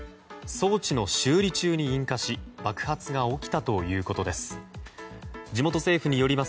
装置の修理中に引火し爆発が起きたということです。